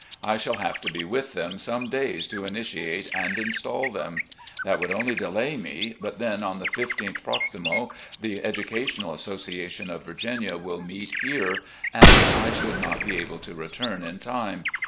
I shall have to be with them some days to initiate and install them. That would only delay me, but then on the isth proximo the Educational Associa tion of Virginia will meet here, and I should not be able to return in time.